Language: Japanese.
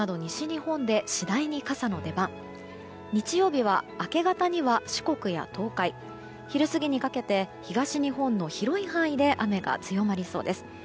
日曜日は明け方には四国や東海昼過ぎにかけて東日本の広い範囲で雨が強まりそうです。